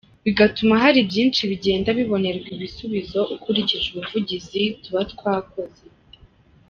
Bigatuma hari byinshi bigenda bibonerwa ibisubizo ukurikije ubuvugizi tuba twakoze.